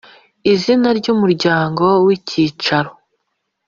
Izina ry Umuryango w Icyicaro